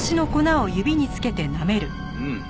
うん。